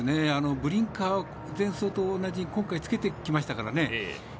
ブリンカー前走のように着けてきましたからね。